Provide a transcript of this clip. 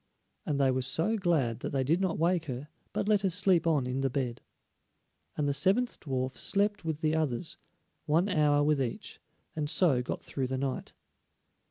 and they were so glad that they did not wake her, but let her sleep on in the bed. And the seventh dwarf slept with the others, one hour with each, and so got through the night.